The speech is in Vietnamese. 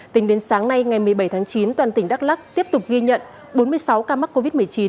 tính đến sáng nay ngày một mươi bảy tháng chín toàn tỉnh đắk lắc tiếp tục ghi nhận bốn mươi sáu ca mắc covid một mươi chín